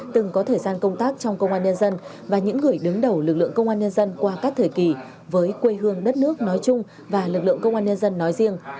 từng có thời gian công tác trong công an nhân dân và những người đứng đầu lực lượng công an nhân dân qua các thời kỳ với quê hương đất nước nói chung và lực lượng công an nhân dân nói riêng